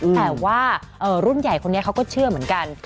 แต่ว่ารุ่นใหญ่คนนี้เขาก็เชื่อเหมือนกัน